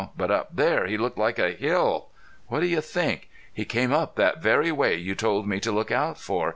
But up there he looked like a hill.... What do you think? He came up that very way you told me to look out for.